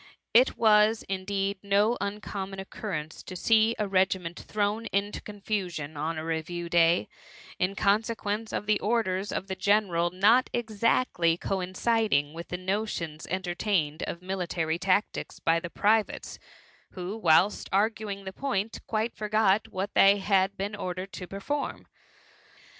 It was, indeed, no uncom mon occurrence to see a regiment thrown into confusion on a review day, in consequence of the orders of the general not exactly coin ciding with the notions entertained of military tactics by the privates, who, whilst arguing 4;be point, quite forgot what they had been ordered to perform.